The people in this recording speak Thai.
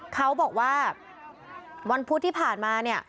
เขาบอกว่าวันพุธที่ผ่านมาเนี่ย